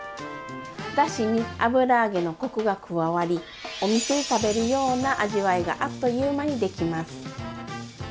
だしに油揚げのコクが加わりお店で食べるような味わいがあっという間にできます。